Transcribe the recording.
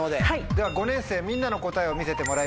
では５年生みんなの答えを見せてもらいましょう。